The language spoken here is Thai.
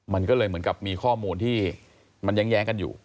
มันก็เลยเหมือนกับมีข้อมูลที่มันแย้งกันอยู่